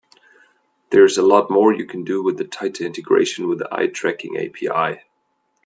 There's a lot more you can do with a tighter integration with the eye tracking API.